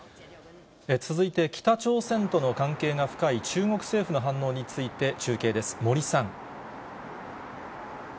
続いて北朝鮮との関係が深い中国政府の反応について中継です、森さん。